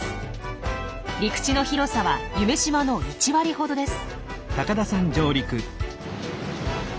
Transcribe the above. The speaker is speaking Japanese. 陸地の広さは夢洲の１割ほどです。